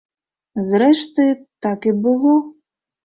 Зрэшты, так і было.